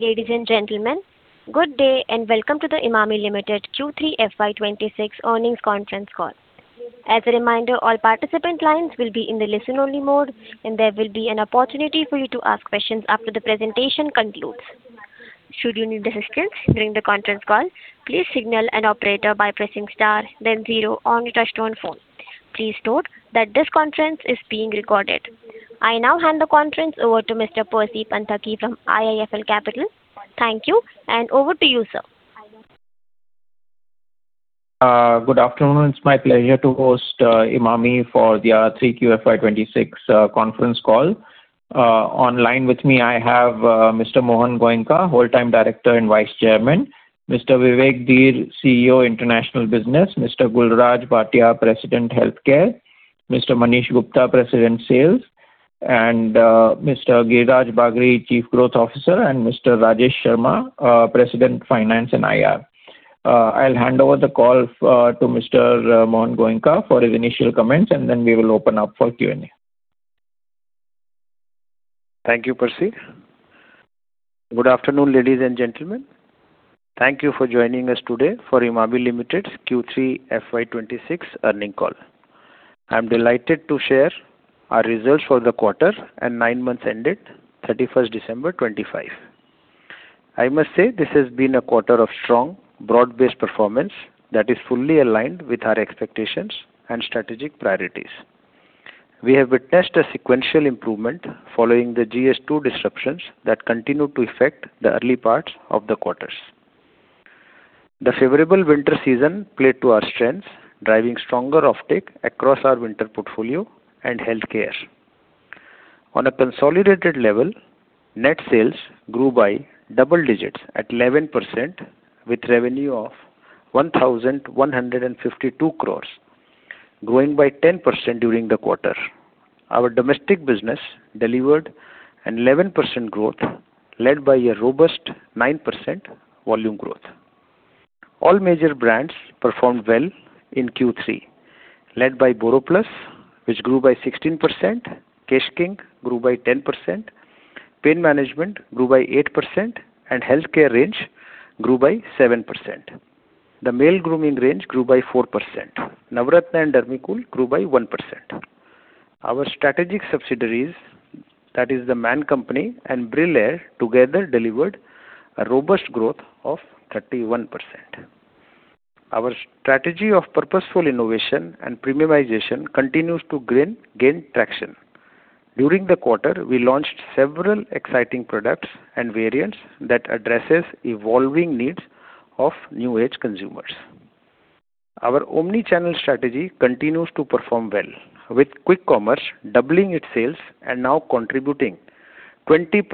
Ladies and gentlemen, good day, and welcome to the Emami Limited Q3 FY 2026 earnings conference call. As a reminder, all participant lines will be in the listen-only mode, and there will be an opportunity for you to ask questions after the presentation concludes. Should you need assistance during the conference call, please signal an operator by pressing star then zero on your touchtone phone. Please note that this conference is being recorded. I now hand the conference over to Mr. Percy Panthaki from IIFL Capital. Thank you, and over to you, sir. Good afternoon. It's my pleasure to host Emami for their 3Q FY 2026 conference call. Online with me, I have Mr. Mohan Goenka, Whole-Time Director and Vice Chairman, Mr. Vivek Dhir, CEO, International Business, Mr. Gulraj Bhatia, President, Healthcare, Mr. Manish Gupta, President, Sales, and Mr. Giriraj Bagri, Chief Growth Officer, and Mr. Rajesh Sharma, President, Finance and IR. I'll hand over the call to Mr. Mohan Goenka for his initial comments, and then we will open up for Q&A. Thank you, Percy. Good afternoon, ladies and gentlemen. Thank you for joining us today for Emami Limited's Q3 FY 2026 earnings call. I'm delighted to share our results for the quarter and nine months ended 31st December 2025. I must say this has been a quarter of strong, broad-based performance that is fully aligned with our expectations and strategic priorities. We have witnessed a sequential improvement following the Q2 disruptions that continued to affect the early parts of the quarters. The favorable winter season played to our strengths, driving stronger offtake across our winter portfolio and healthcare. On a consolidated level, net sales grew by double digits at 11%, with revenue of 1,152 crore, growing by 10% during the quarter. Our domestic business delivered an 11% growth, led by a robust 9% volume growth. All major brands performed well in Q3, led by BoroPlus, which grew by 16%, Kesh King grew by 10%, Pain Management grew by 8%, and Healthcare range grew by 7%. The Male Grooming range grew by 4%. Navratna and Dermicool grew by 1%. Our strategic subsidiaries, that is The Man Company and Brillare, together delivered a robust growth of 31%. Our strategy of purposeful innovation and premiumization continues to gain traction. During the quarter, we launched several exciting products and variants that addresses evolving needs of new age consumers. Our omni-channel strategy continues to perform well, with quick commerce doubling its sales and now contributing 20%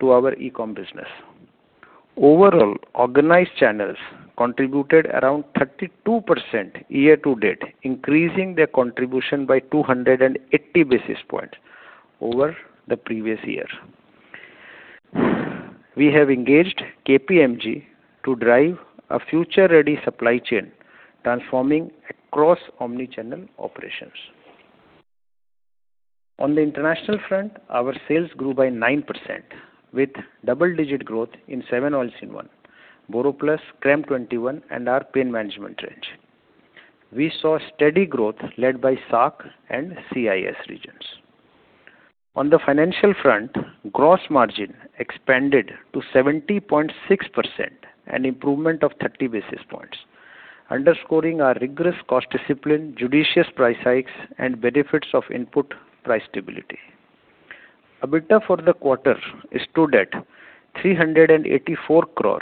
to our e-com business. Overall, organized channels contributed around 32% year-to-date, increasing their contribution by 280 basis points over the previous year. We have engaged KPMG to drive a future-ready supply chain, transforming across omni-channel operations. On the international front, our sales grew by 9%, with double-digit growth in 7 Oils in One, BoroPlus, Crème 21 and our Pain Management range. We saw steady growth led by SAARC and CIS regions. On the financial front, gross margin expanded to 70.6%, an improvement of 30 basis points, underscoring our rigorous cost discipline, judicious price hikes, and benefits of input price stability. EBITDA for the quarter stood at 384 crore,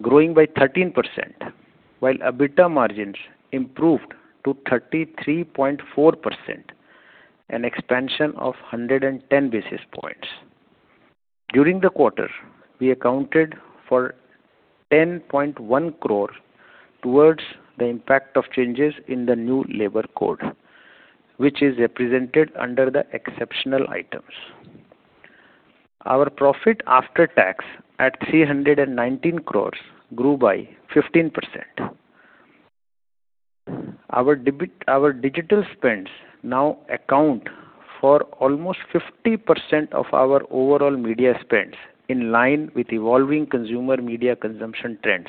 growing by 13%, while EBITDA margins improved to 33.4%, an expansion of 110 basis points. During the quarter, we accounted for 10.1 crore towards the impact of changes in the new labor code, which is represented under the exceptional items. Our profit after tax at 319 crore grew by 15%. Our digital spends now account for almost 50% of our overall media spends, in line with evolving consumer media consumption trends,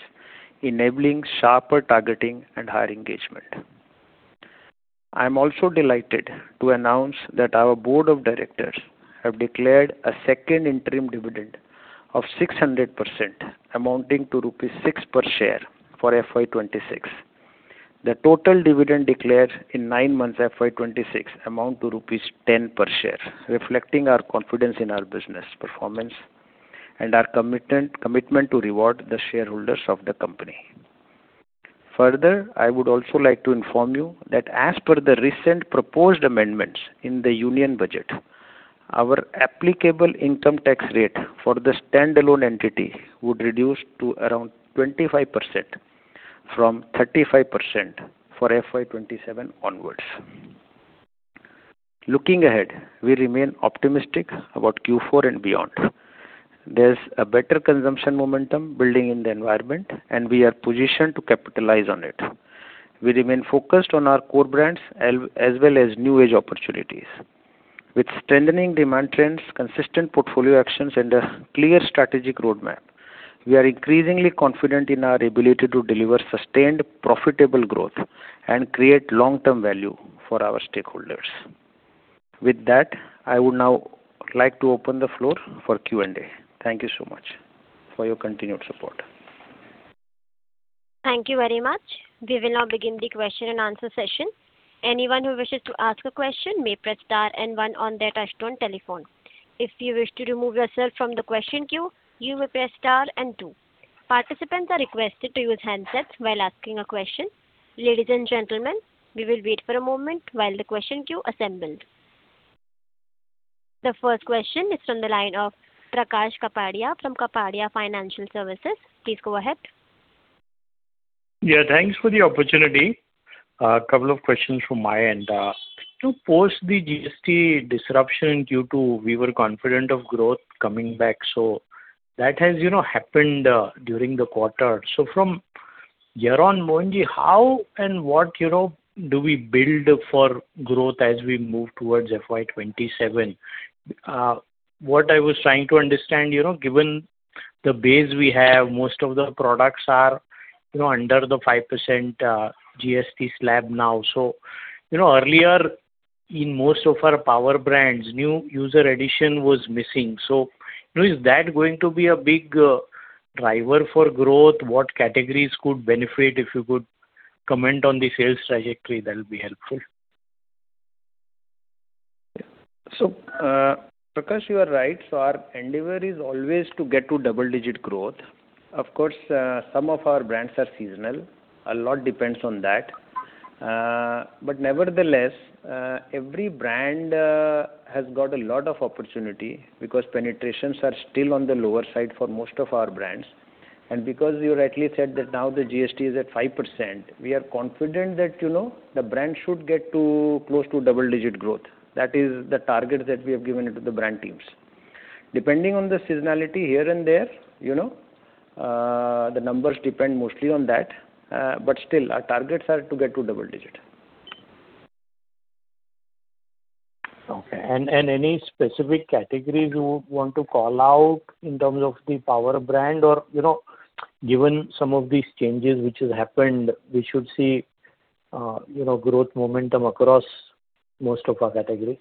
enabling sharper targeting and higher engagement. I'm also delighted to announce that our board of directors have declared a second interim dividend of 600%, amounting to rupees 6 per share for FY 2026. The total dividend declared in nine months, FY 2026, amount to rupees 10 per share, reflecting our confidence in our business performance and our commitment to reward the shareholders of the company. Further, I would also like to inform you that as per the recent proposed amendments in the Union Budget, our applicable income tax rate for the standalone entity would reduce to around 25% from 35% for FY 2027 onwards. Looking ahead, we remain optimistic about Q4 and beyond. There's a better consumption momentum building in the environment, and we are positioned to capitalize on it... We remain focused on our core brands, as, as well as new age opportunities. With strengthening demand trends, consistent portfolio actions, and a clear strategic roadmap, we are increasingly confident in our ability to deliver sustained, profitable growth and create long-term value for our stakeholders. With that, I would now like to open the floor for Q&A. Thank you so much for your continued support. Thank you very much. We will now begin the question-and-answer session. Anyone who wishes to ask a question may press star and one on their touchtone telephone. If you wish to remove yourself from the question queue, you may press star and two. Participants are requested to use handsets while asking a question. Ladies and gentlemen, we will wait for a moment while the question queue assembles. The first question is from the line of Prakash Kapadia, from Kapadia Financial Services. Please go ahead. Yeah, thanks for the opportunity. Couple of questions from my end. So post the GST disruption due to, we were confident of growth coming back, so that has, you know, happened during the quarter. So from here on, Mohan ji, how and what, you know, do we build for growth as we move towards FY 2027? What I was trying to understand, you know, given the base we have, most of the products are, you know, under the 5% GST slab now. So, you know, earlier in most of our power brands, new user addition was missing. So, you know, is that going to be a big driver for growth? What categories could benefit? If you could comment on the sales trajectory, that would be helpful. So, Prakash, you are right. Our endeavor is always to get to double-digit growth. Of course, some of our brands are seasonal. A lot depends on that. But nevertheless, every brand has got a lot of opportunity because penetrations are still on the lower side for most of our brands. And because you rightly said that now the GST is at 5%, we are confident that, you know, the brand should get to close to double-digit growth. That is the target that we have given to the brand teams. Depending on the seasonality here and there, you know, the numbers depend mostly on that, but still, our targets are to get to double-digit. Okay. And any specific categories you want to call out in terms of the power brand? Or, you know, given some of these changes which has happened, we should see, you know, growth momentum across most of our categories.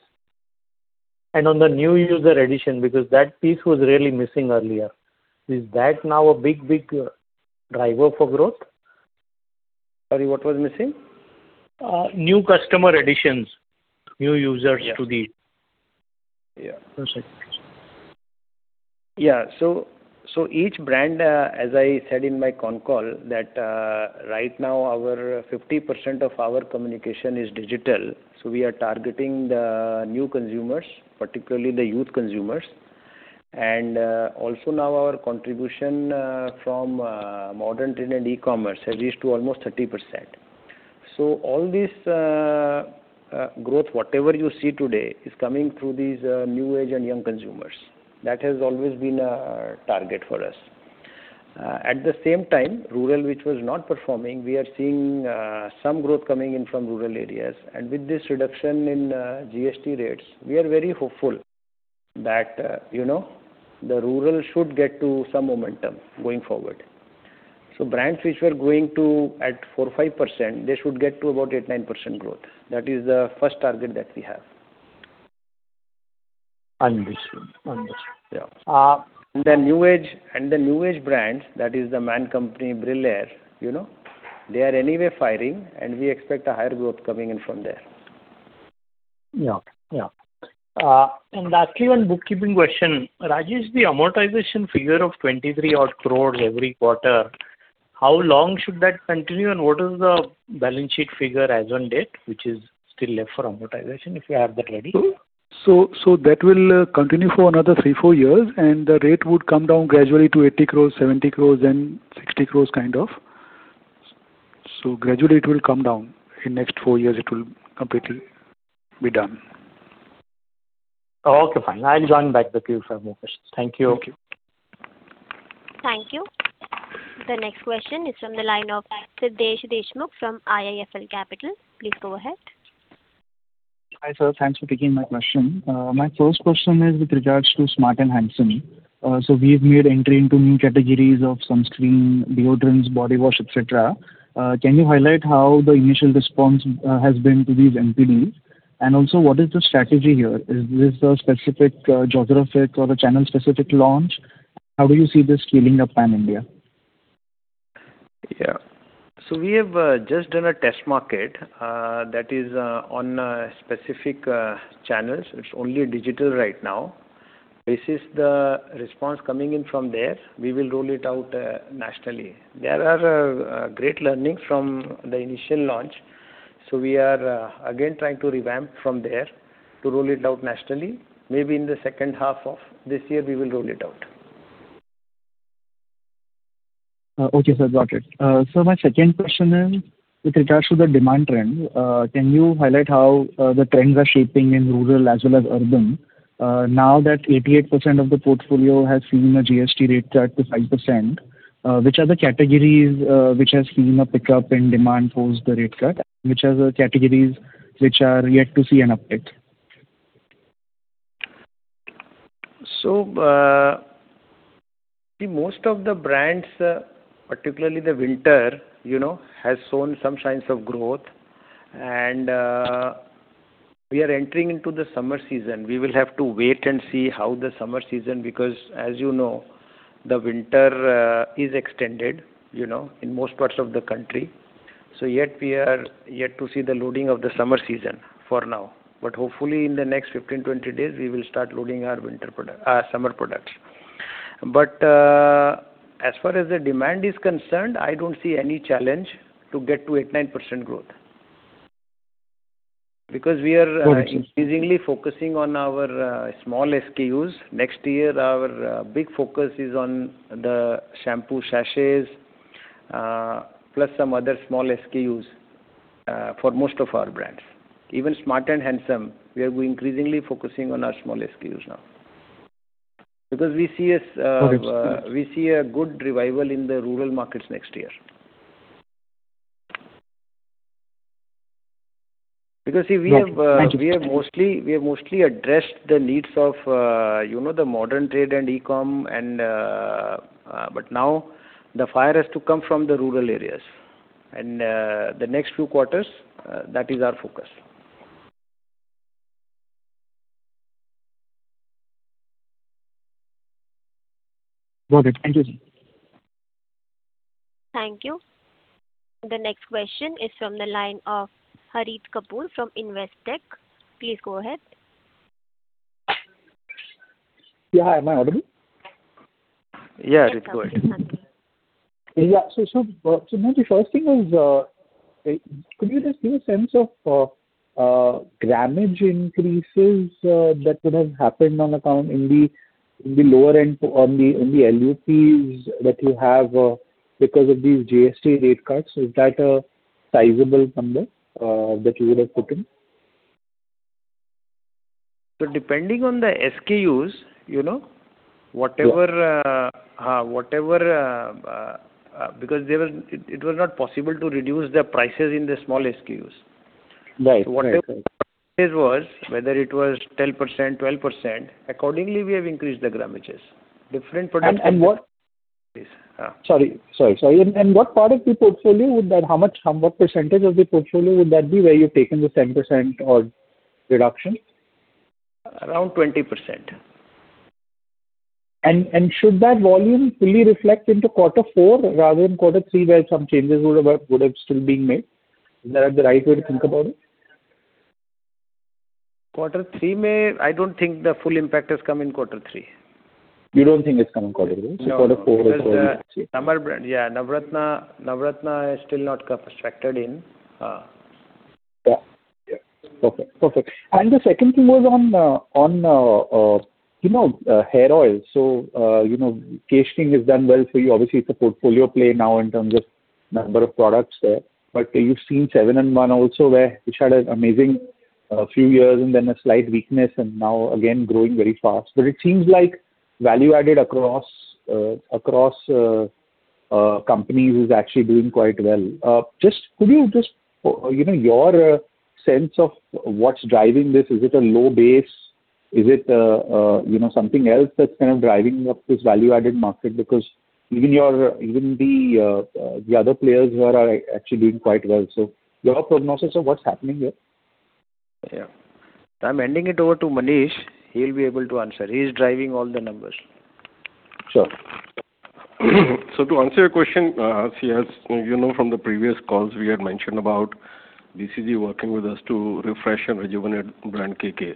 And on the new user addition, because that piece was really missing earlier, is that now a big, big driver for growth? Sorry, what was missing? New customer additions, new users- Yeah. Yeah. That's it. Yeah. So each brand, as I said in my con call, that right now, our 50% of our communication is digital, so we are targeting the new consumers, particularly the youth consumers. And also now our contribution from modern trade and e-commerce has reached to almost 30%. So all this growth, whatever you see today, is coming through these new age and young consumers. That has always been a target for us. At the same time, rural, which was not performing, we are seeing some growth coming in from rural areas. And with this reduction in GST rates, we are very hopeful that you know, the rural should get to some momentum going forward. So brands which were growing at 4%-5%, they should get to about 8%-9% growth. That is the first target that we have. Understood. Understood. Yeah. Uh- The new age, and the new age brands, that is The Man Company, Brillare, you know, they are anyway firing, and we expect a higher growth coming in from there. Yeah. Yeah. And lastly, one bookkeeping question. Rajesh, the amortization figure of 23 odd crores every quarter, how long should that continue, and what is the balance sheet figure as on date, which is still left for amortization, if you have that ready? So, so that will continue for another 3 years-4 years, and the rate would come down gradually to 80 crores, 70 crores, then 60 crores, kind of. So gradually it will come down. In next 4 years, it will completely be done. Okay, fine. I'll join back with you if I have more questions. Thank you. Thank you. Thank you. The next question is from the line of Siddhesh Deshmukh from IIFL Capital. Please go ahead. Hi, sir. Thanks for taking my question. My first question is with regards to Smart And Handsome. So we've made entry into new categories of sunscreen, deodorants, body wash, et cetera. Can you highlight how the initial response has been to these NPD? And also, what is the strategy here? Is this a specific geographic or a channel-specific launch? How do you see this scaling up pan-India? Yeah. So we have just done a test market that is on specific channels. It's only digital right now. This is the response coming in from there. We will roll it out nationally. There are great learnings from the initial launch, so we are again trying to revamp from there to roll it out nationally. Maybe in the second half of this year, we will roll it out. Okay, sir. Got it. So my second question is with regards to the demand trend. Can you highlight how the trends are shaping in rural as well as urban? Now that 88% of the portfolio has seen a GST rate cut to 5%, which are the categories which has seen a pickup in demand post the rate cut? Which are the categories which are yet to see an uptick?... So, the most of the brands, particularly the winter, you know, has shown some signs of growth. And, we are entering into the summer season. We will have to wait and see how the summer season, because as you know, the winter is extended, you know, in most parts of the country. So yet we are yet to see the loading of the summer season for now. But hopefully in the next 15 days, 20 days, we will start loading our winter product, summer products. But, as far as the demand is concerned, I don't see any challenge to get to 8%-9% growth. Because we are- Got you. Increasingly focusing on our small SKUs. Next year, our big focus is on the shampoo sachets, plus some other small SKUs, for most of our brands. Even Smart And Handsome, we are increasingly focusing on our small SKUs now. Because we see as, Got you. We see a good revival in the rural markets next year. Because, see, we have, Thank you. We have mostly, we have mostly addressed the needs of, you know, the modern trade and e-com and. But now the fire has to come from the rural areas, and, the next few quarters, that is our focus. Got it. Thank you. Thank you. The next question is from the line of Harit Kapoor from Investec. Please go ahead. Yeah. Hi, am I audible? Yeah, Harit, go ahead. Hi. Yeah. So now the first thing is, could you just give a sense of grammage increases that would have happened on account in the lower end in the LUPs that you have, because of these GST rate cuts? Is that a sizable number that you would have put in? So depending on the SKUs, you know, whatever, because it was not possible to reduce the prices in the small SKUs. Right. Right. So whatever was, whether it was 10%, 12%, accordingly, we have increased the grammages. Different products- And what- Uh. Sorry, sorry, sorry. And what part of the portfolio would that... How much, what percentage of the portfolio would that be, where you've taken this 10% odd reduction? Around 20%. Should that volume fully reflect into quarter four rather than quarter three, where some changes would have still being made? Is that the right way to think about it? Quarter three, maybe, I don't think the full impact has come in quarter three. You don't think it's come in quarter three? No. Quarter four Because summer brand... Yeah, Navratna, Navratna is still not factored in. Yeah. Yeah. Perfect. Perfect. And the second thing was on, you know, hair oils. So, you know, Kesh King has done well for you. Obviously, it's a portfolio play now in terms of number of products there. But you've seen 7 Oils in One also where it had an amazing few years and then a slight weakness, and now again growing very fast. But it seems like value added across companies is actually doing quite well. Just could you, you know, your sense of what's driving this, is it a low base? Is it, you know, something else that's kind of driving up this value-added market? Because even the other players here are actually doing quite well. So your prognosis of what's happening here? Yeah. I'm handing it over to Manish. He'll be able to answer. He's driving all the numbers. Sure. So to answer your question, yes, you know, from the previous calls we had mentioned about BCG working with us to refresh and rejuvenate brand KK.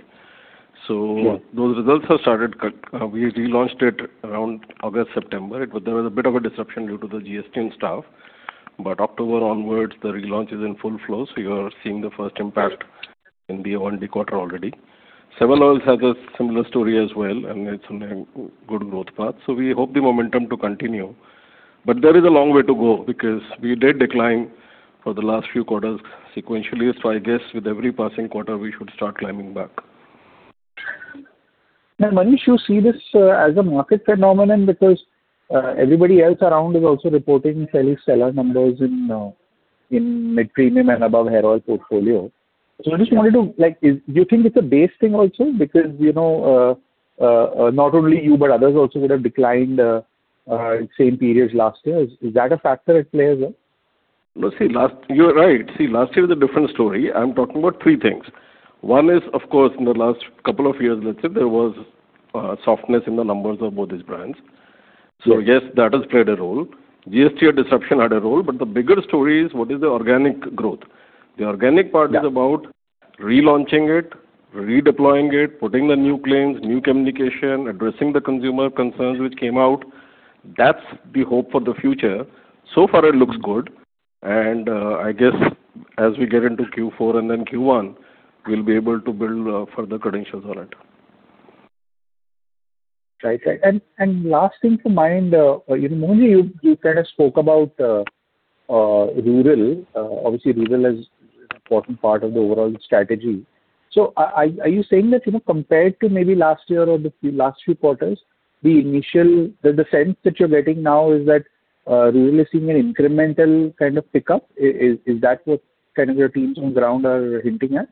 Yeah. Those results have started. We relaunched it around August, September. It was... There was a bit of a disruption due to the GST and stuff, but October onwards, the relaunch is in full flow, so you are seeing the first impact- Yeah in the only quarter already. 7 Oils has a similar story as well, and it's on a good growth path. So we hope the momentum to continue. But there is a long way to go because we did decline for the last few quarters sequentially. So I guess with every passing quarter, we should start climbing back. Now, Manish, you see this as a market phenomenon because everybody else around is also reporting fairly stellar numbers in, in mid-premium and above hair oil portfolio. So I just wanted to, like, is- do you think it's a base thing also? Because, you know, not only you, but others also would have declined same period last year. Is, is that a factor at play as well? Let's see. Last... You're right. See, last year was a different story. I'm talking about three things. One is, of course, in the last couple of years, let's say, there was softness in the numbers of both these brands. Yeah. Yes, that has played a role. GST or disruption had a role, but the bigger story is what is the organic growth? Yeah. The organic part is about relaunching it, redeploying it, putting the new claims, new communication, addressing the consumer concerns which came out. That's the hope for the future. So far, it looks good, and I guess as we get into Q4 and then Q1, we'll be able to build further credentials on it. Right. Right. And last thing in mind, you know, Mohan, you kind of spoke about rural. Obviously, rural is an important part of the overall strategy. So are you saying that, you know, compared to maybe last year or the last few quarters, the initial sense that you're getting now is that really seeing an incremental kind of pickup. Is that what kind of your teams on ground are hinting at?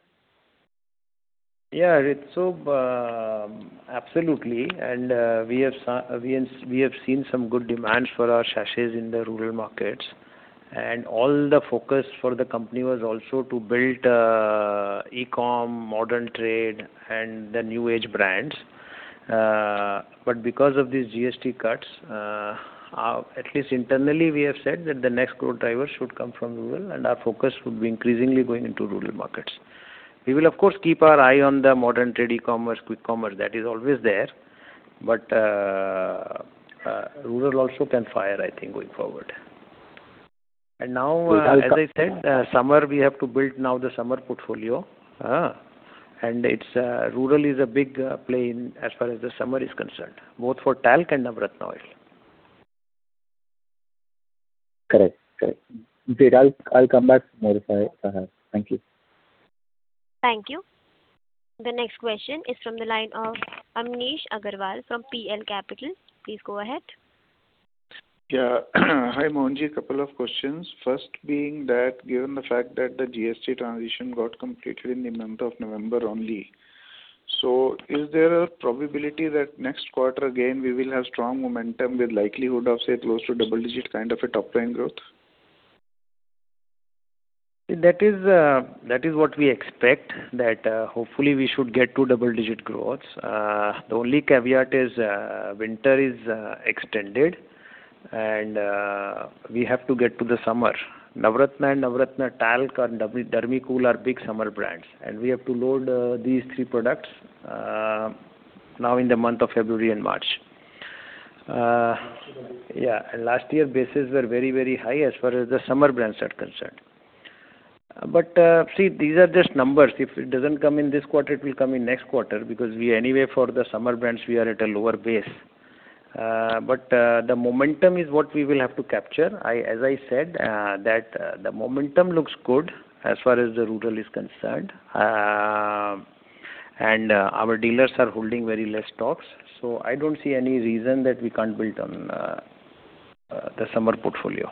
Yeah, so, absolutely, and, we have seen some good demand for our sachets in the rural markets. And all the focus for the company was also to build e-com, modern trade, and the new age brands. But because of these GST cuts, our, at least internally, we have said that the next growth driver should come from rural, and our focus would be increasingly going into rural markets. We will, of course, keep our eye on the modern trade, e-commerce, quick commerce, that is always there, but rural also can fire, I think, going forward. And now, as I said, summer, we have to build now the summer portfolio. And rural is a big play in as far as the summer is concerned, both for Talc and Navratna Oil. Correct. Correct. Great, I'll, I'll come back more if I... Thank you. Thank you. The next question is from the line of Amnish Aggarwal from PL Capital. Please go ahead. Yeah. Hi, Mohan ji, a couple of questions. First being that given the fact that the GST transition got completed in the month of November only, so is there a probability that next quarter, again, we will have strong momentum with likelihood of, say, close to double-digit kind of a top-line growth? That is, that is what we expect, that, hopefully we should get to double digit growth. The only caveat is, winter is extended, and, we have to get to the summer. Navratna and Navratna Talc and Dermicool are big summer brands, and we have to load, these three products, now in the month of February and March. Yeah, and last year, bases were very, very high as far as the summer brands are concerned. But, see, these are just numbers. If it doesn't come in this quarter, it will come in next quarter, because we anyway, for the summer brands, we are at a lower base. But, the momentum is what we will have to capture. As I said, the momentum looks good as far as the rural is concerned, and our dealers are holding very less stocks, so I don't see any reason that we can't build on the summer portfolio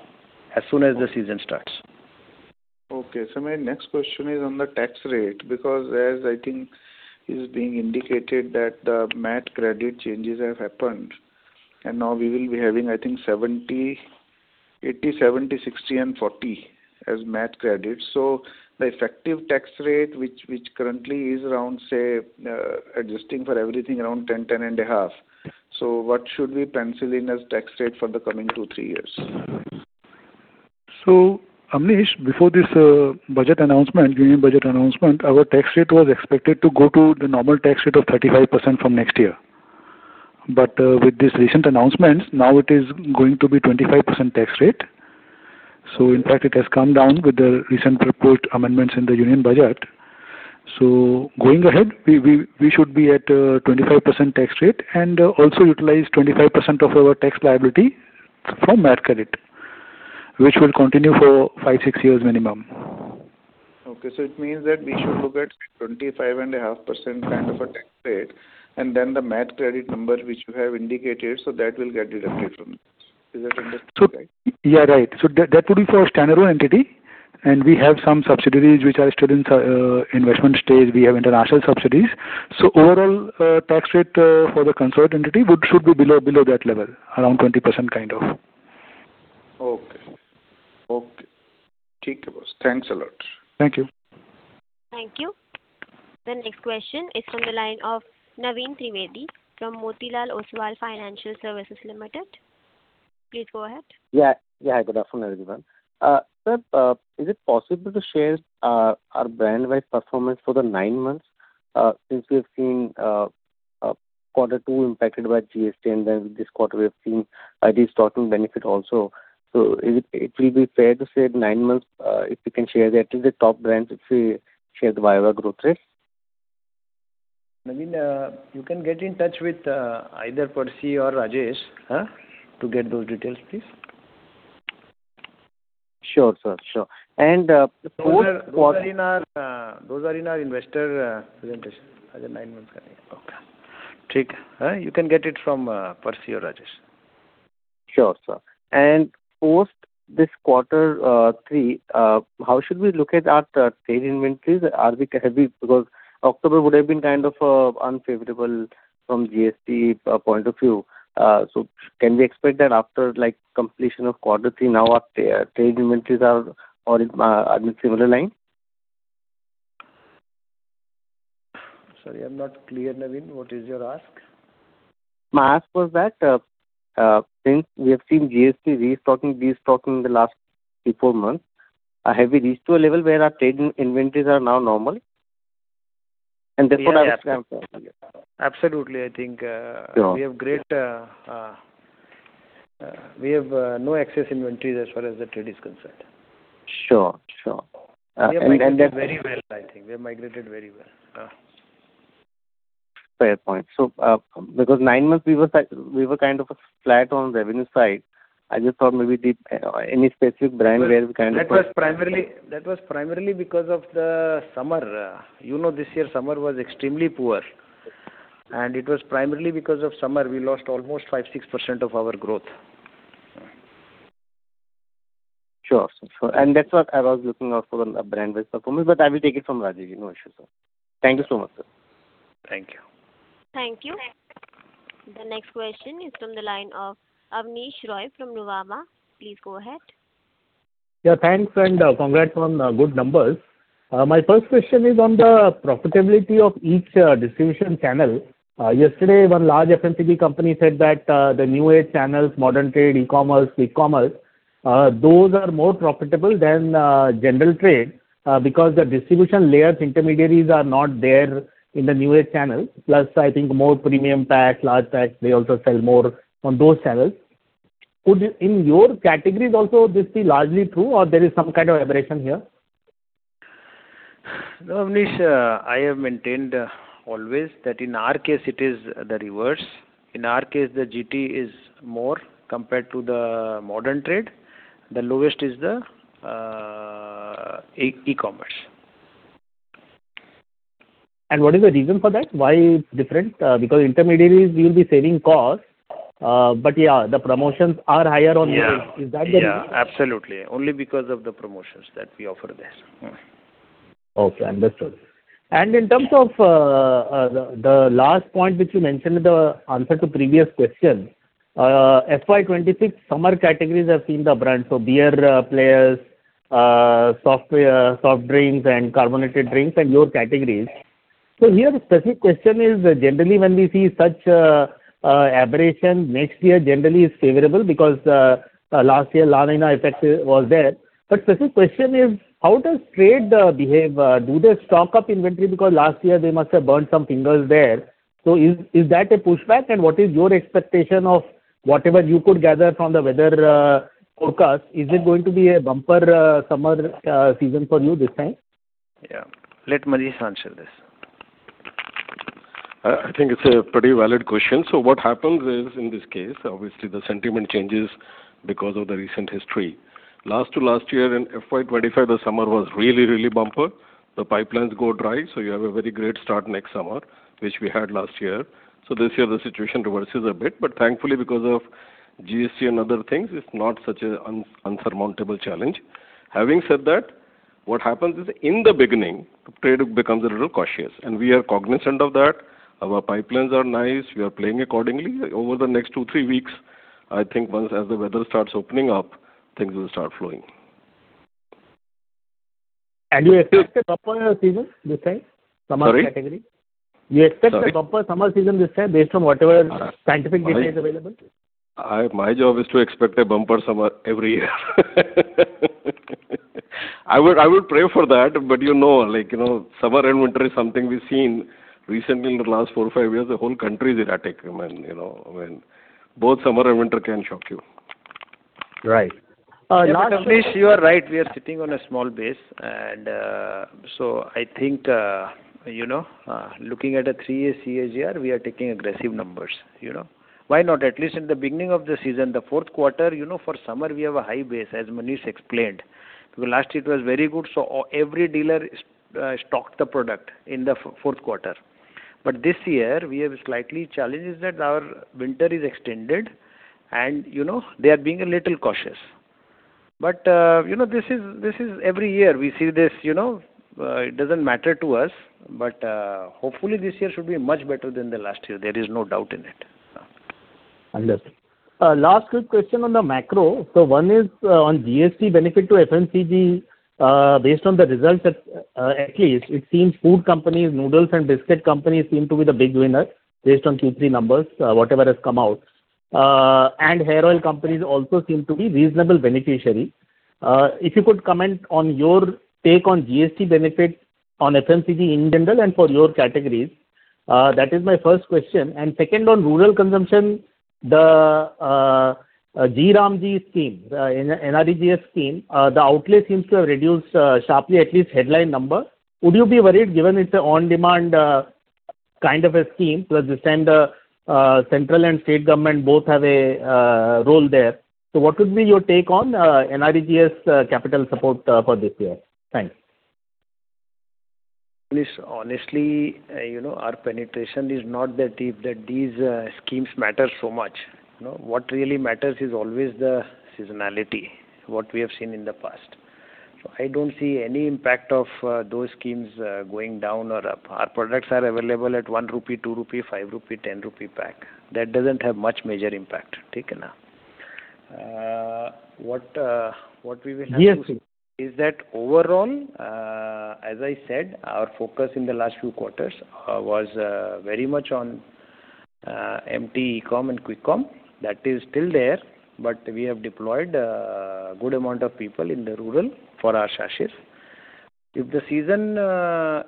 as soon as the season starts. Okay. So my next question is on the tax rate, because as I think is being indicated, that the MAT Credit changes have happened, and now we will be having, I think, 70, 80, 70, 60, and 40 as MAT Credit. So the effective tax rate, which, which currently is around, say, adjusting for everything around 10%-10.5%. So what should we pencil in as tax rate for the coming 2 years-3 years? So, Amnish, before this budget announcement, union budget announcement, our tax rate was expected to go to the normal tax rate of 35% from next year. But with this recent announcement, now it is going to be 25% tax rate. So in fact, it has come down with the recent proposed amendments in the union budget. So going ahead, we should be at 25% tax rate and also utilize 25% of our tax liability from MAT Credit, which will continue for 5 years-6 years minimum. Okay, so it means that we should look at 25.5% kind of a tax rate, and then the MAT credit number, which you have indicated, so that will get deducted from this. Is that understood right? So, yeah, right. So that will be for standalone entity, and we have some subsidiaries which are still in investment stage. We have international subsidiaries. So overall, tax rate for the consolidated entity would, should be below that level, around 20%, kind of. Okay. Okay... Thanks a lot. Thank you. Thank you. The next question is from the line of Naveen Trivedi from Motilal Oswal Financial Services Limited. Please go ahead. Yeah. Yeah, good afternoon, everyone. Sir, is it possible to share our brand-wide performance for the nine months? Since we have seen quarter two impacted by GST, and then this quarter we have seen a restocking benefit also. So is it- it will be fair to say nine months, if you can share that, is the top brands, if we share the over growth rate? Naveen, you can get in touch with either Percy or Rajesh to get those details, please. Sure, sir, sure. And, fourth quarter- Those are in our investor presentation as a nine-month planning. Okay.... You can get it from, Percy or Rajesh. Sure, sir. And post this quarter three, how should we look at our trade inventories? Are we, have we—because October would have been kind of unfavorable from GST point of view. So can we expect that after, like, completion of quarter three, now our trade inventories are in a similar line? Sorry, I'm not clear, Naveen, what is your ask? My ask was that, since we have seen GST restocking, destocking in the last three, four months, have we reached to a level where our trade inventories are now normal? And therefore, I was- Absolutely, I think, Sure. We have no excess inventories as far as the trade is concerned. Sure, sure. And then that- We have migrated very well, I think. We have migrated very well. Fair point. So, because nine months we were kind of flat on revenue side, I just thought maybe the any specific brand where we kind of- That was primarily, that was primarily because of the summer. You know, this year, summer was extremely poor. It was primarily because of summer; we lost almost 5%-6% of our growth. Sure, sure. That's what I was looking out for, the brand-wise performance, but I will take it from Rajesh, no issue, sir. Thank you so much, sir. Thank you. Thank you. The next question is from the line of Abneesh Roy from Nuvama. Please go ahead. Yeah, thanks and congrats on good numbers. My first question is on the profitability of each distribution channel. Yesterday, one large FMCG company said that the new age channels, modern trade, e-commerce, quick commerce, those are more profitable than general trade because the distribution layers, intermediaries are not there in the new age channel. Plus, I think more premium packs, large packs, they also sell more on those channels. Could, in your categories also, this be largely true, or there is some kind of aberration here? No, Abneesh, I have maintained always that in our case it is the reverse. In our case, the GT is more compared to the modern trade. The lowest is the e-commerce. What is the reason for that? Why different? Because intermediaries will be saving cost, but yeah, the promotions are higher on the- Yeah. Is that the reason? Yeah, absolutely. Only because of the promotions that we offer there. Okay, understood. And in terms of the last point which you mentioned in the answer to previous question, FY 2026, summer categories have seen the brand, so beer, players, software, soft drinks, and carbonated drinks and your categories. So here the specific question is, generally, when we see such aberration, next year generally is favorable because last year, La Niña effect was there. But specific question is, how does trade behave? Do they stock up inventory, because last year they must have burned some fingers there. So is that a pushback? And what is your expectation of whatever you could gather from the weather forecast, is it going to be a bumper summer season for you this time? Yeah. Let Manish answer this. I think it's a pretty valid question. So what happens is, in this case, obviously, the sentiment changes because of the recent history. Last to last year, in FY 2025, the summer was really, really bumper. The pipelines go dry, so you have a very great start next summer, which we had last year. So this year, the situation reverses a bit, but thankfully, because of GST and other things, it's not such an insurmountable challenge. Having said that, what happens is, in the beginning, trade becomes a little cautious, and we are cognizant of that. Our pipelines are nice. We are playing accordingly. Over the next 2, 3 weeks, I think once as the weather starts opening up, things will start flowing. You expect a proper season this time, summer category? Sorry? You expect a bumper summer season this time, based on whatever scientific data is available? My job is to expect a bumper summer every year. I would, I would pray for that, but you know, like, you know, summer and winter is something we've seen recently in the last 4 or 5 years, the whole country is erratic, you know, when both summer and winter can shock you. Right. Not- Abneesh, you are right, we are sitting on a small base, and so I think, you know, looking at a three-year CAGR, we are taking aggressive numbers, you know. Why not? At least in the beginning of the season, the fourth quarter, you know, for summer, we have a high base, as Manish explained. Because last year it was very good, so every dealer stocked the product in the fourth quarter. But this year, we have slightly challenges that our winter is extended and, you know, they are being a little cautious. But, you know, this is, this is every year we see this, you know, it doesn't matter to us, but, hopefully, this year should be much better than the last year. There is no doubt in it. Understood. Last quick question on the macro. So one is on GST benefit to FMCG. Based on the results, at least it seems food companies, noodles and biscuit companies seem to be the big winners based on Q3 numbers, whatever has come out. And hair oil companies also seem to be reasonable beneficiary. If you could comment on your take on GST benefit on FMCG in general and for your categories. That is my first question. And second, on rural consumption, the G-Ram-Ji scheme, MGNREGA scheme, the outlay seems to have reduced sharply, at least headline number. Would you be worried, given it's an on-demand kind of a scheme, plus this time, the central and state government both have a role there? What would be your take on MGNREGA capital support for this year? Thanks. Please, honestly, you know, our penetration is not that deep that these schemes matter so much. You know, what really matters is always the seasonality, what we have seen in the past. So I don't see any impact of those schemes going down or up. Our products are available at 1 rupee, 2 rupee, 5 rupee, 10 rupee pack. That doesn't have much major impact. Take it now. What, what we will have- Yes, sir. Is that overall, as I said, our focus in the last few quarters was very much on MT e-com and quick com. That is still there, but we have deployed good amount of people in the rural for our sachet. If the season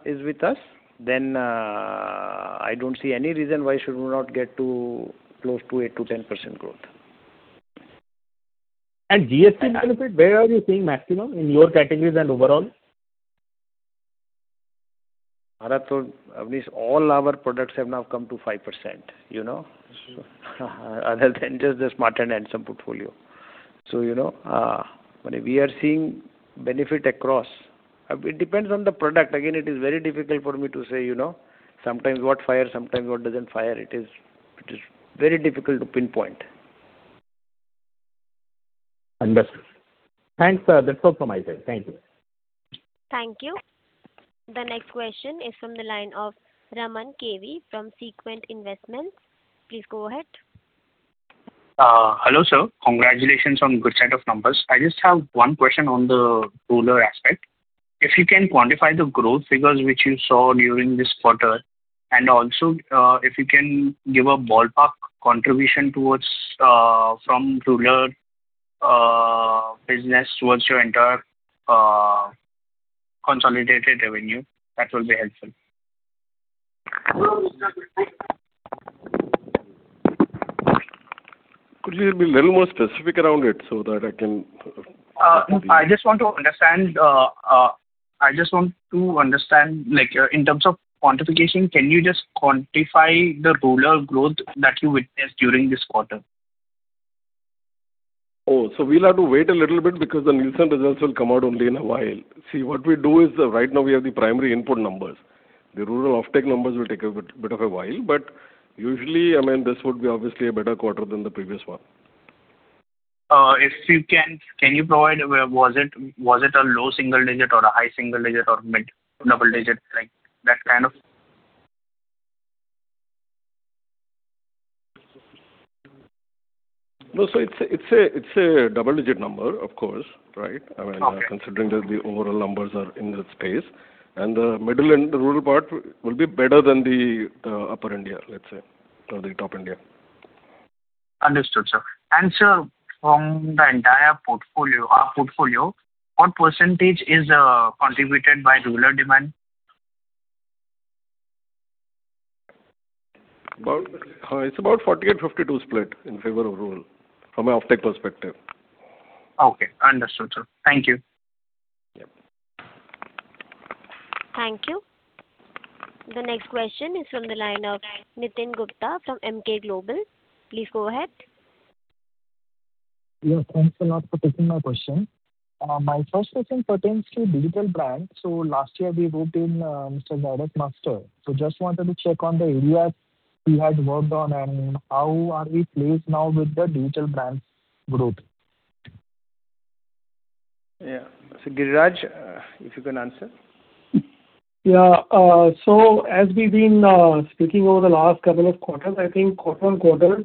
is with us, then I don't see any reason why should we not get to close to 8%-10% growth. GST benefit, where are you seeing maximum in your categories and overall? Abneesh, all our products have now come to 5%, you know? Other than just the Smart And Handsome portfolio.... So, you know, but we are seeing benefit across. It depends on the product. Again, it is very difficult for me to say, you know, sometimes what fire, sometimes what doesn't fire. It is very difficult to pinpoint. Understood. Thanks, sir. That's all from my side. Thank you. Thank you. The next question is from the line of Raman [K.V.] from Sequent Investments. Please go ahead. Hello, sir. Congratulations on good set of numbers. I just have one question on the rural aspect. If you can quantify the growth figures which you saw during this quarter, and also, if you can give a ballpark contribution from rural business towards your entire consolidated revenue, that will be helpful. Could you be a little more specific around it so that I can- I just want to understand, like, in terms of quantification, can you just quantify the rural growth that you witnessed during this quarter? Oh, so we'll have to wait a little bit because the Nielsen results will come out only in a while. See, what we do is, right now we have the primary input numbers. The rural offtake numbers will take a bit of a while, but usually, I mean, this would be obviously a better quarter than the previous one. If you can, can you provide, was it a low single digit or a high single digit or mid double digit, like, that kind of? No, so it's a double-digit number, of course, right? Okay. I mean, considering that the overall numbers are in that space, and the middle and the rural part will be better than the upper India, let's say, or the top India. Understood, sir. And sir, from the entire portfolio, our portfolio, what percentage is contributed by rural demand? About, it's about 48-52 split in favor of rural, from an offtake perspective. Okay, understood, sir. Thank you. Yeah. Thank you. The next question is from the line of Nitin Gupta from Emkay Global. Please go ahead. Yes, thanks a lot for taking my question. My first question pertains to digital brands. Last year we roped in Mr. Zairus Master. Just wanted to check on the areas he has worked on and how are we placed now with the digital brand growth? Yeah. So, Giriraj, if you can answer. Yeah. So as we've been speaking over the last couple of quarters, I think quarter-on-quarter,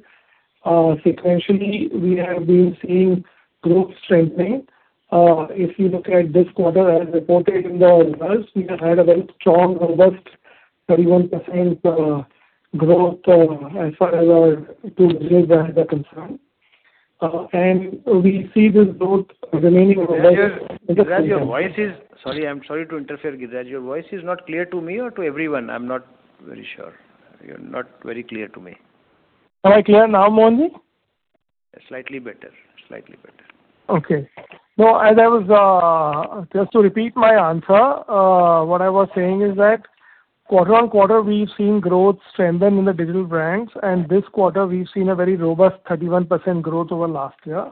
sequentially, we have been seeing growth strengthening. If you look at this quarter as reported in the results, we have had a very strong, robust 31% growth as far as our digital brands are concerned. And we see this growth remaining- Giriraj, Giriraj, your voice is... Sorry, I'm sorry to interfere, Giriraj. Your voice is not clear to me or to everyone? I'm not very sure. You're not very clear to me. Am I clear now, Mohan ji? Slightly better. Slightly better. Okay. No, as I was... Just to repeat my answer, what I was saying is that quarter-on-quarter, we've seen growth strengthen in the digital brands, and this quarter we've seen a very robust 31% growth over last year.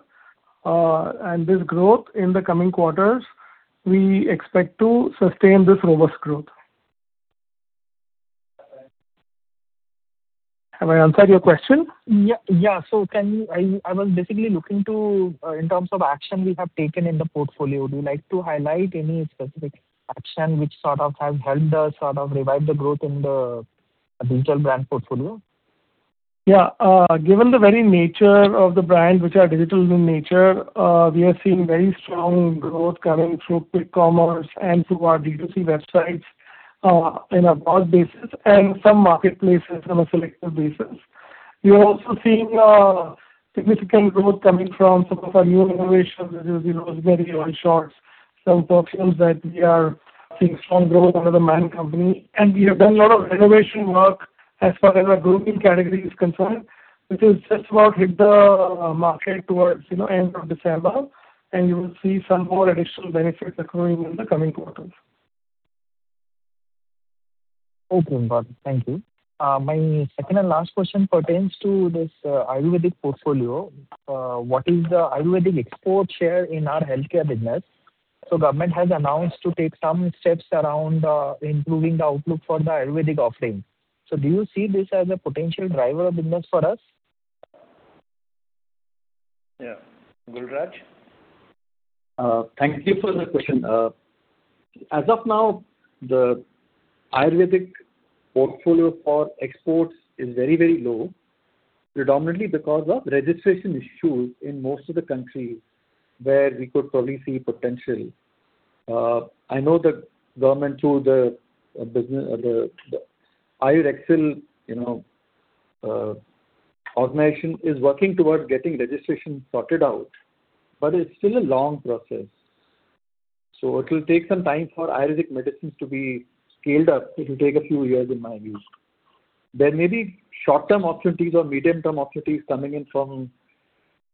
And this growth in the coming quarters, we expect to sustain this robust growth. Have I answered your question? Yeah. Yeah, so can you—I was basically looking to, in terms of action we have taken in the portfolio, would you like to highlight any specific action which sort of have helped us sort of revive the growth in the digital brand portfolio? Yeah. Given the very nature of the brands, which are digital in nature, we are seeing very strong growth coming through quick commerce and through our D2C websites, in a broad basis, and some marketplaces on a selective basis. We are also seeing significant growth coming from some of our new innovations, which is, you know, very short, some functions that we are seeing strong growth under The Man Company. And we have done a lot of renovation work as far as our grooming category is concerned, which is just about hit the market towards, you know, end of December, and you will see some more additional benefits accruing in the coming quarters. Okay, got it. Thank you. My second and last question pertains to this Ayurvedic portfolio. What is the Ayurvedic export share in our healthcare business? So government has announced to take some steps around improving the outlook for the Ayurvedic offering. So do you see this as a potential driver of business for us? Yeah. Giriraj? Thank you for the question. As of now, the Ayurvedic portfolio for exports is very, very low, predominantly because of registration issues in most of the countries where we could probably see potential. I know the government through the business, the, the AYUSHEXCIL, you know, organization is working towards getting registration sorted out, but it's still a long process. So it will take some time for Ayurvedic medicines to be scaled up. It will take a few years, in my view. There may be short-term opportunities or medium-term opportunities coming in from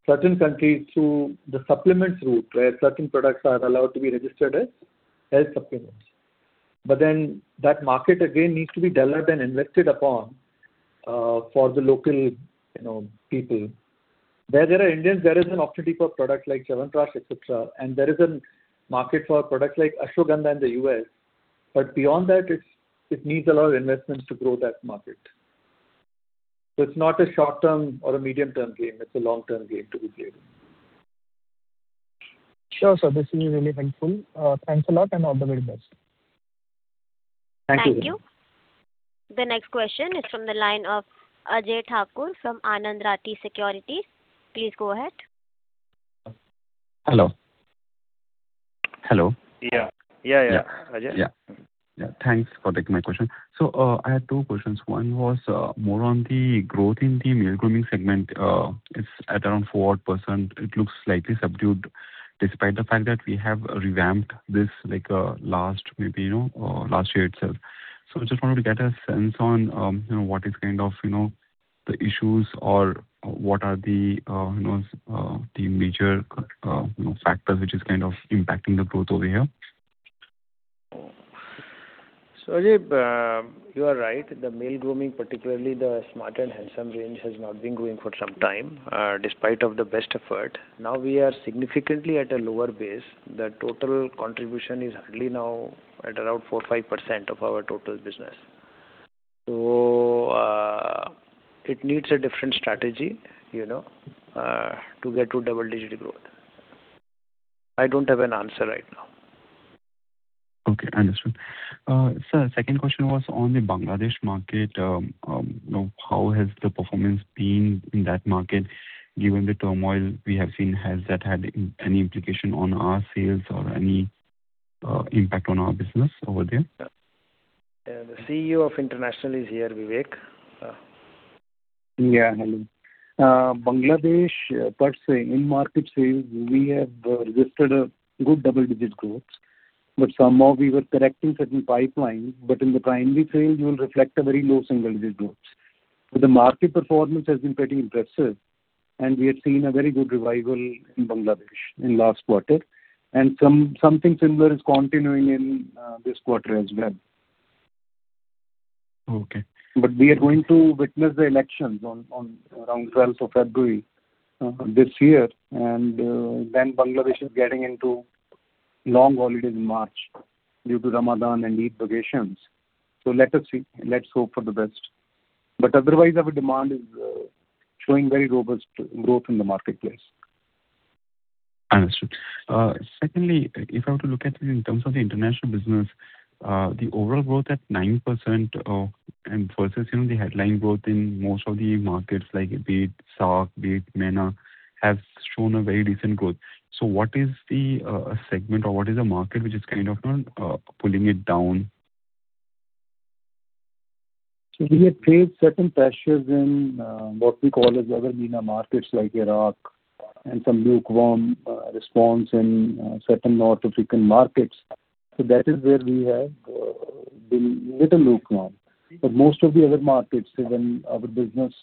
certain countries through the supplements route, where certain products are allowed to be registered as health supplements.... but then that market again needs to be developed and invested upon, for the local, you know, people. Where there are Indians, there is an opportunity for products likeChyavanprash, et cetera, and there is a market for products like Ashwagandha in the U.S. But beyond that, it's, it needs a lot of investments to grow that market. So it's not a short-term or a medium-term game, it's a long-term game to be played. Sure, sir, this is really helpful. Thanks a lot, and all the very best. Thank you. Thank you. The next question is from the line of Ajay Thakur from Anand Rathi Securities. Please go ahead. Hello. Hello. Yeah. Yeah, yeah, Ajay. Yeah. Yeah, thanks for taking my question. So, I had two questions. One was, more on the growth in the male grooming segment. It's at around 4%. It looks slightly subdued, despite the fact that we have revamped this, like, last maybe, you know, last year itself. So I just wanted to get a sense on, you know, what is kind of, you know, the issues or what are the, you know, the major, you know, factors which is kind of impacting the growth over here? So, Ajay, you are right. The male grooming, particularly the Smart And Handsome range, has not been growing for some time, despite of the best effort. Now, we are significantly at a lower base. The total contribution is hardly now at around 4%-5% of our total business. So, it needs a different strategy, you know, to get to double-digit growth. I don't have an answer right now. Okay, understood. Sir, second question was on the Bangladesh market. You know, how has the performance been in that market? Given the turmoil we have seen, has that had any implication on our sales or any impact on our business over there? Yeah. The CEO of International is here, Vivek. Yeah, hello. Bangladesh, per se, in market sales, we have registered a good double-digit growth, but somehow we were correcting certain pipelines. But in the primary sales, we will reflect a very low single-digit growth. But the market performance has been pretty impressive, and we have seen a very good revival in Bangladesh in last quarter, and something similar is continuing in this quarter as well. Okay. But we are going to witness the elections on around twelfth of February this year, and then Bangladesh is getting into long holidays in March due to Ramadan and Eid vacations. So let us see. Let's hope for the best. But otherwise, our demand is showing very robust growth in the marketplace. Understood. Secondly, if I were to look at it in terms of the international business, the overall growth at 9%, and versus, you know, the headline growth in most of the markets, like be it SAARC, be it MENA, have shown a very decent growth. So what is the segment or what is the market which is kind of pulling it down? So we have faced certain pressures in, what we call as other MENA markets, like Iraq, and some lukewarm, response in, certain North African markets. So that is where we have, been little lukewarm. But most of the other markets, even our business,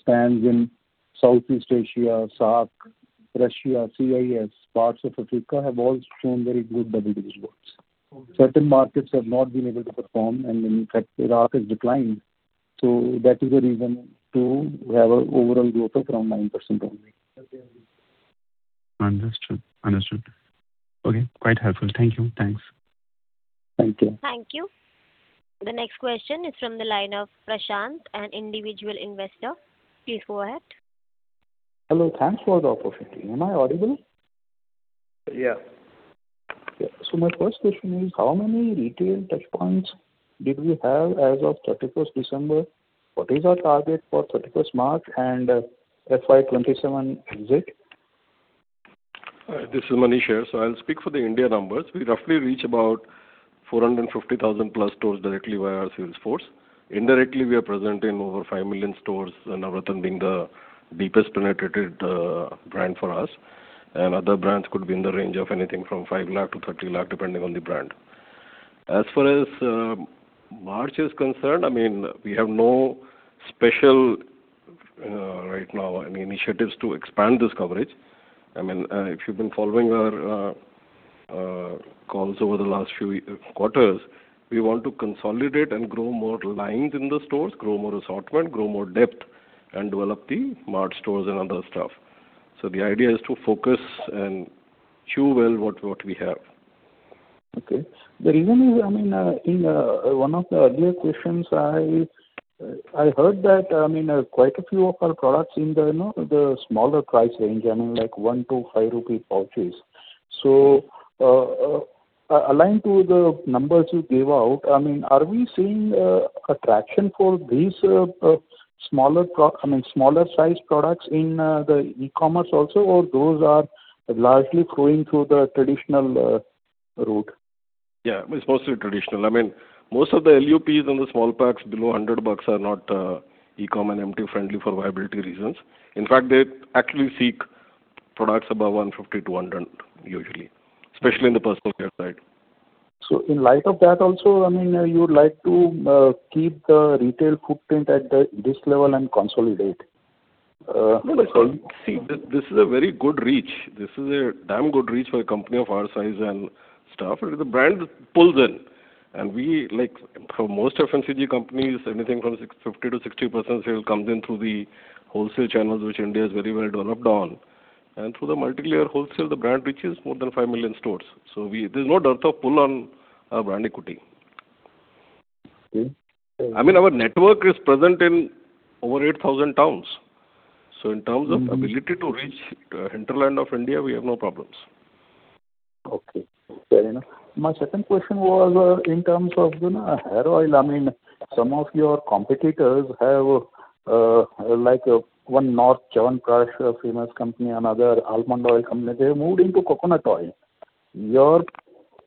stands in Southeast Asia, SAARC, Russia, CIS, parts of Africa, have all shown very good double-digit growth. Okay. Certain markets have not been able to perform, and in fact, Iraq has declined. So that is the reason to have an overall growth of around 9% only. Understood. Understood. Okay, quite helpful. Thank you. Thanks. Thank you. Thank you. The next question is from the line of Prashant, an individual investor. Please go ahead. Hello. Thanks for the opportunity. Am I audible? Yeah. Yeah. So my first question is: How many retail touchpoints did we have as of December 31? What is our target for March 31 and FY 2027 exit? This is Manish here, so I'll speak for the India numbers. We roughly reach about 450,000+ stores directly via our sales force. Indirectly, we are present in over 5 million stores, and Navratna being the deepest penetrated brand for us. And other brands could be in the range of anything from 5 lakh to 30 lakh, depending on the brand. As far as March is concerned, I mean, we have no special right now any initiatives to expand this coverage. I mean, if you've been following our calls over the last few quarters, we want to consolidate and grow more lines in the stores, grow more assortment, grow more depth, and develop the mart stores and other stuff. So the idea is to focus and chew well what we have. Okay. The reason is, I mean, in one of the earlier questions, I, I heard that, I mean, quite a few of our products in the, you know, the smaller price range, I mean, like 1-5 rupees pouches. So, aligned to the numbers you gave out, I mean, are we seeing a traction for these, smaller I mean, smaller-sized products in the e-commerce also, or those are largely flowing through the traditional route? Yeah, it's mostly traditional. I mean, most of the LUPs on the small packs below INR 100 are not e-com and MT friendly for viability reasons. In fact, they actually seek products above 150 to 100, usually, especially in the personal care side. In light of that also, I mean, you would like to keep the retail footprint at this level and consolidate? No, no, see, this, this is a very good reach. This is a damn good reach for a company of our size and stuff, and the brand pulls in. We, like, for most FMCG companies, anything from 50%-60% sales comes in through the wholesale channels, which India is very well developed on. And through the multilayer wholesale, the brand reaches more than 5 million stores. So there's no dearth of pull on our brand equity. Okay. I mean, our network is present in over 8,000 towns, so in terms of- Mm. ability to reach, hinterland of India, we have no problems. Okay, fair enough. My second question was, in terms of, you know, hair oil, I mean, some of your competitors have, like, one North Chyavanprash, a famous company, another almond oil company, they moved into coconut oil. Your--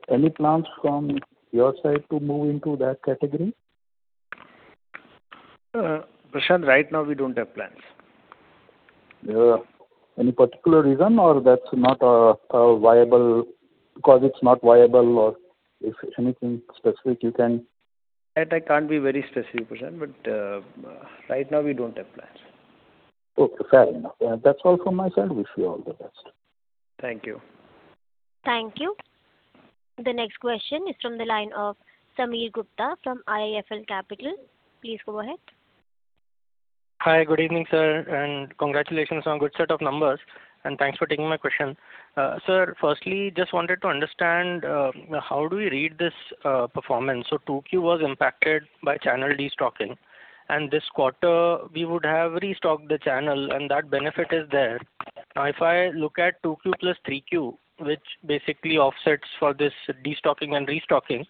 any plans from your side to move into that category? Prashant, right now we don't have plans. Any particular reason or that's not a viable...? Because it's not viable or if anything specific you can- That, I can't be very specific, Prashant, but right now we don't have plans. Okay, fair enough. That's all from my side. Wish you all the best. Thank you. Thank you. The next question is from the line of Sameer Gupta from IIFL Capital. Please go ahead. Hi, good evening, sir, and congratulations on good set of numbers, and thanks for taking my question. Sir, firstly, just wanted to understand, how do we read this performance? So 2Q was impacted by channel destocking, and this quarter we would have restocked the channel, and that benefit is there. Now, if I look at 2Q plus 3Q, which basically offsets for this destocking and restocking,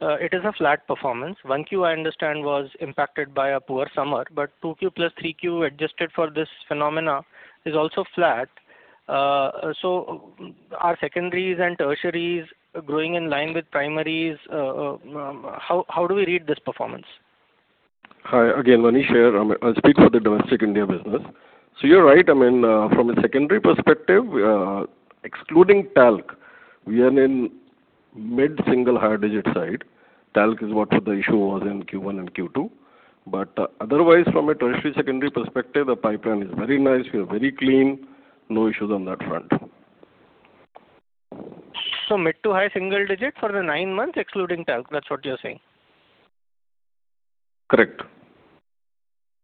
it is a flat performance. 1Q, I understand, was impacted by a poor summer, but 2Q plus 3Q, adjusted for this phenomena, is also flat. So are secondaries and tertiaries growing in line with primaries? How do we read this performance? Hi, again, Manish here. I'll speak for the domestic India business. So you're right. I mean, from a secondary perspective, excluding Talc, we are in mid-single high digit side. Talc is what the issue was in Q1 and Q2. But, otherwise, from a tertiary, secondary perspective, the pipeline is very nice. We are very clean. No issues on that front. So mid to high single digit for the nine months, excluding Talc, that's what you're saying? Correct.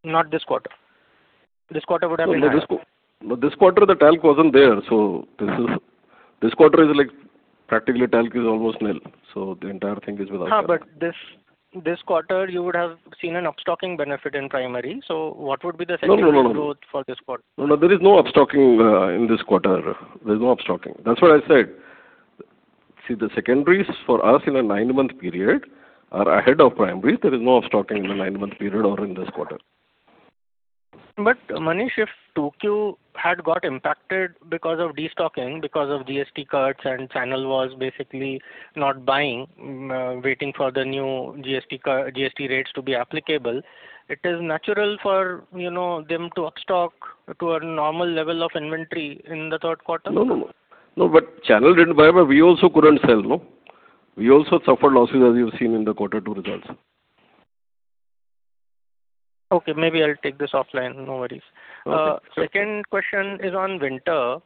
Not this quarter. This quarter would have been higher. No, but this quarter, the Talc wasn't there, so this is... This quarter is like, practically, Talc is almost nil, so the entire thing is without Talc. But this quarter you would have seen an upstocking benefit in primary, so what would be the secondary- No, no, no, no. Growth for this quarter? No, no, there is no upstocking in this quarter. There's no upstocking. That's what I said. See, the secondaries for us in a nine-month period are ahead of primaries. There is no upstocking in the nine-month period or in this quarter. Manish, if 2Q had got impacted because of destocking, because of GST cuts and channel was basically not buying, waiting for the new GST cut, GST rates to be applicable, it is natural for, you know, them to upstock to a normal level of inventory in the third quarter? No, no, no. No, but channel didn't buy, but we also couldn't sell, no? We also suffered losses, as you've seen in the quarter two results. Okay, maybe I'll take this offline. No worries. Okay. Second question is on winter.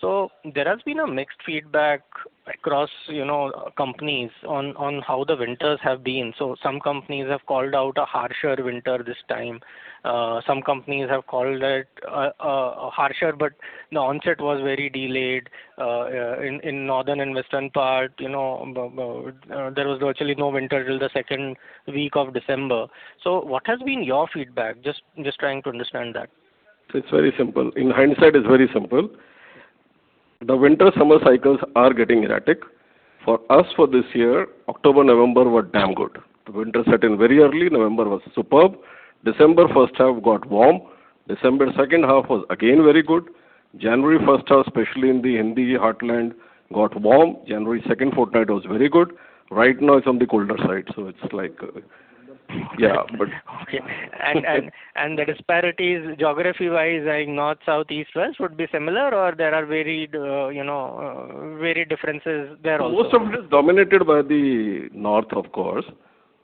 So there has been a mixed feedback across, you know, companies on, on how the winters have been. So some companies have called out a harsher winter this time. Some companies have called it harsher, but the onset was very delayed in northern and western part, you know, there was virtually no winter till the second week of December. So what has been your feedback? Just trying to understand that. It's very simple. In hindsight, it's very simple. The winter-summer cycles are getting erratic. For us, for this year, October, November were damn good. The winter set in very early. November was superb. December first half got warm. December second half was again very good. January first half, especially in the NDJ heartland, got warm. January second fortnight was very good. Right now, it's on the colder side, so it's like, Yeah, but Okay. And the disparities geography-wise, like north, south, east, west, would be similar or there are varied, you know, varied differences there also? Most of it is dominated by the north, of course,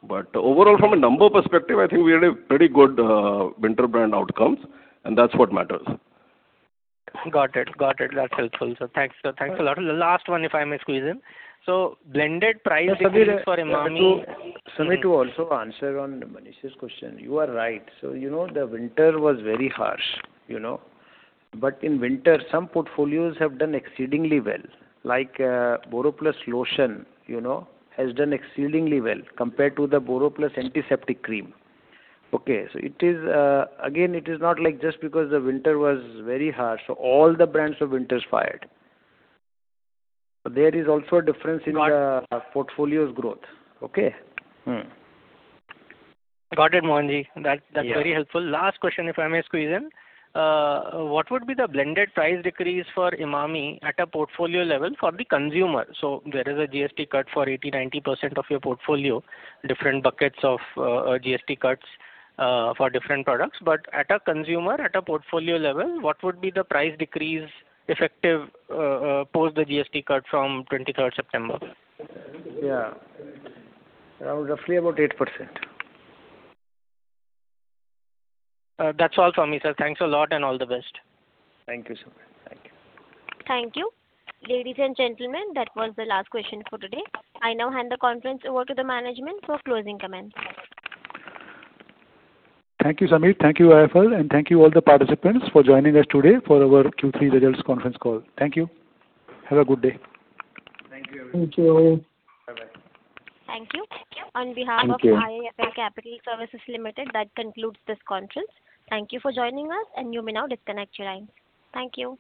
but overall, from a number perspective, I think we had a pretty good, winter brand outcomes, and that's what matters. Got it. Got it. That's helpful, sir. Thanks, sir. Thanks a lot. The last one, if I may squeeze in. So blended price decrease for Emami- So Sameer, to also answer on Manish's question, you are right. So, you know, the winter was very harsh, you know? But in winter, some portfolios have done exceedingly well, like, BoroPlus Lotion, you know, has done exceedingly well compared to the BoroPlus Antiseptic Cream. Okay, so it is. Again, it is not like just because the winter was very harsh, so all the brands of winter's failed. There is also a difference in the- Got- portfolio's growth. Okay? Mm. Got it, Mohan ji. Yeah. That's, that's very helpful. Last question, if I may squeeze in. What would be the blended price decrease for Emami at a portfolio level for the consumer? So there is a GST cut for 80%-90% of your portfolio, different buckets of GST cuts for different products. But at a consumer, at a portfolio level, what would be the price decrease effective post the GST cut from twenty-third September? Yeah. Roughly about 8%. That's all from me, sir. Thanks a lot, and all the best. Thank you, Sameer. Thank you. Thank you. Ladies and gentlemen, that was the last question for today. I now hand the conference over to the management for closing comments. Thank you, Sameer. Thank you, IIFL, and thank you all the participants for joining us today for our Q3 results conference call. Thank you. Have a good day. Thank you. Thank you. Bye-bye. Thank you. On behalf of- Thank you... IIFL Capital Services Limited, that concludes this conference. Thank you for joining us, and you may now disconnect your line. Thank you.